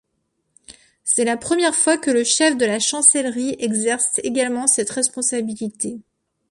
C'est la première fois que le chef de la chancellerie exerce également cette responsabilité.